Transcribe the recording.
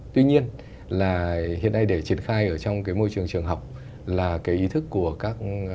tuy nhiên là hiện nay để triển khai ở trong cái môi trường trường học là cái ý thức của các bác giám hiệu